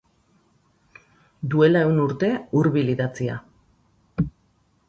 Duela ehun urte hurbil idatzia.